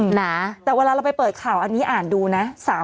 หนาแต่เวลาเราไปเปิดข่าวอันนี้อ่านดูนะ